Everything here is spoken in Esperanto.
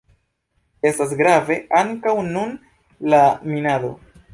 Estas grave ankaŭ nun la minado.